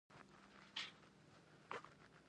ځکه چې ټول د هندوستان اوسېدونکي وو.